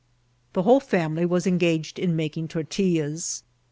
The whole family was engaged in making tortillas.